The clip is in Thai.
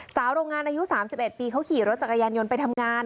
โรงงานอายุ๓๑ปีเขาขี่รถจักรยานยนต์ไปทำงาน